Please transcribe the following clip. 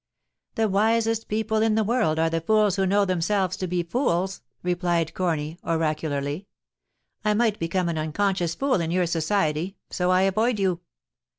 * The wisest people in the world are the fools who know themselves to be fools,' replied Corny, oracularly. * I might become an unconscious fool in your society, so I avoid you.